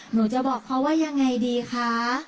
หนูจะบอกเขาว่ายังไงดีคะ